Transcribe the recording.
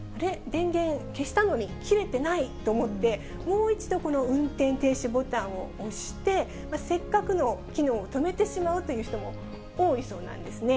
電源消したのに、切れてない！と思って、もう一度この運転停止ボタンを押して、せっかくの機能を止めてしまうという人も多いそうなんですね。